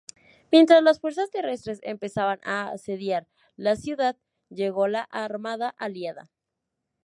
Mientras las fuerzas terrestres empezaban a asediar la ciudad, llegó la armada aliada.